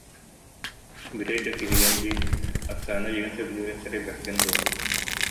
Бүтэй да киһигин дии, Оксана эйигин сөбүлүүрүн сэрэйбэккин дуо